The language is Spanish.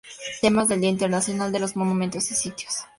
Temas del Día Internacional de los Monumentos y Sitios